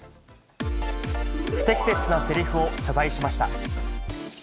不適切なせりふを謝罪しまし